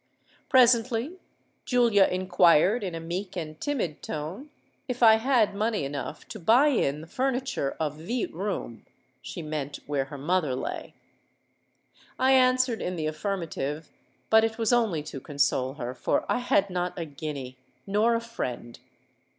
Presently Julia inquired in a meek and timid tone, if I had money enough to buy in the furniture of the room—she meant where her mother lay. I answered in the affirmative; but it was only to console her—for I had not a guinea—nor a friend!